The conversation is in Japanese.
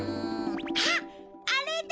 あっあれだ！